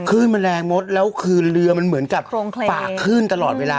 ขึ้นมันแรงหมดแล้วคือเรือมันเหมือนกับปากขึ้นตลอดเวลา